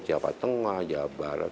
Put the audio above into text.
jawa tengah jawa barat